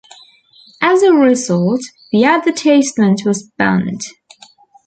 As a result, the advertisement was banned.